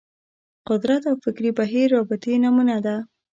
قدرت او فکري بهیر رابطې نمونه ده